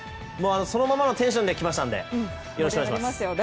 そのままのテンションで来ましたのでよろしくお願いします。